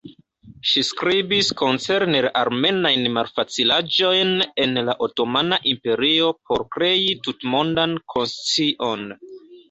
Ŝi skribis koncerne la armenajn malfacilaĵojn en la Otomana Imperio por krei tutmondan konscion.